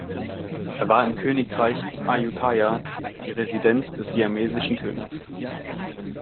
Er war im Königreich Ayutthaya die Residenz des siamesischen Königs.